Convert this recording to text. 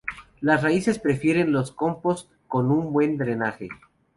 Las raíces prefieren los compost con buen drenaje.